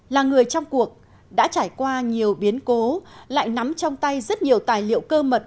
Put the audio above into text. là người trong cuộc đã trải qua nhiều biến cố lại nắm trong tay rất nhiều tài liệu cơ mật